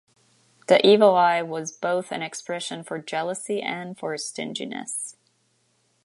The evil eye was both an expression for jealousy and for stinginess.